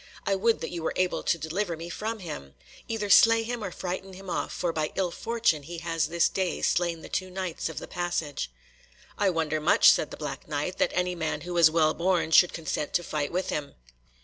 I would that you were able to deliver me from him! Either slay him or frighten him off, for by ill fortune he has this day slain the two Knights of the passage." "I wonder much," said the Black Knight, "that any man who is well born should consent to fight with him."